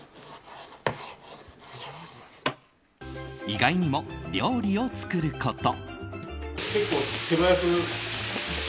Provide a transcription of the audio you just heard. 意外にも、料理を作ること。